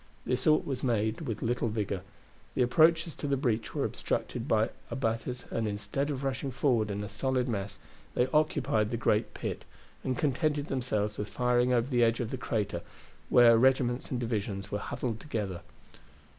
The assault was made with little vigor, the approaches to the breach were obstructed by abattis, and instead of rushing forward in a solid mass they occupied the great pit, and contented themselves with firing over the edge of the crater, where regiments and divisions were huddled together.